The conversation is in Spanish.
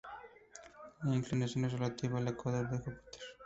La inclinación es relativa al ecuador de Júpiter.